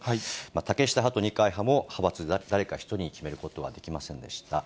竹下派と二階派も、派閥で誰か１人に決めることはできませんでした。